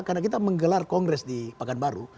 karena kita menggelar kongres di paganbaru